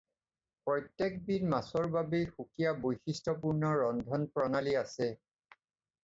প্ৰত্যেক বিধ মাছৰ বাবেই সুকীয়া বৈশিষ্ট্যপূৰ্ণ ৰন্ধন প্ৰণালী আছে.